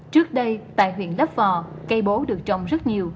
trước đây tại huyện đắp vò cây bố được trồng rất nhiều